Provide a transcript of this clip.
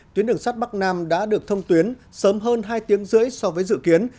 tuyến đường sắt bắc nam đã được thông tuyến sớm hơn hai tiếng rưỡi so với dự kiến